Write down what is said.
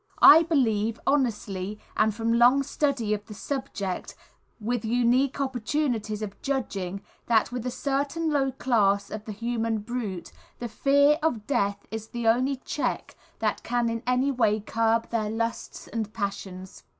I believe, honestly, and from long study of the subject, with unique opportunities of judging, that with a certain low class of the human brute, the fear of death is the only check that can in any way curb their lusts and passions.